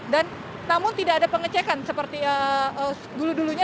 dan namun tidak ada pengecekan seperti dulu dulunya